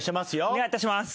お願いいたします。